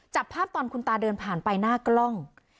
จับภาพตอนคุณตาเดินผ่านไปหน้ากล้อง